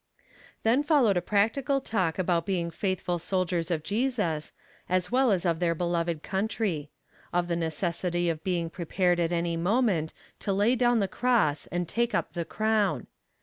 Then followed a practical talk about being faithful soldiers of Jesus, as well as of their beloved country; of the necessity of being prepared at any moment, to lay down the cross and take up the crown.